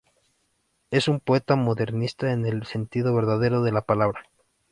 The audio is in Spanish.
Es un poeta modernista en el sentido verdadero de la palabra.